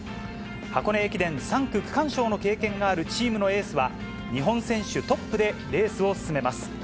箱根駅伝３区区間賞の経験があるチームのエースは、日本選手トップでレースを進めます。